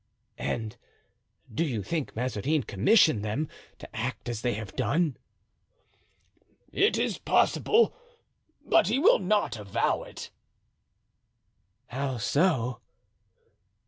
"And do you think Mazarin commissioned them to act as they have done?" "It is possible. But he will not avow it." "How so?"